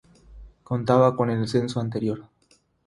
Contaba con en el censo anterior.